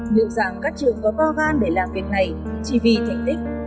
nhiều dạng các trường có to gan để làm việc này chỉ vì thành tích